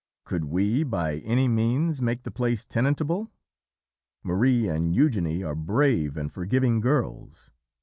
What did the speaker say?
"Could we, by any means, make the place tenantable? Marie and Eugenie are brave and forgiving girls!